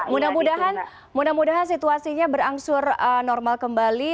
mudah mudahan mudah mudahan situasinya berangsur normal kembali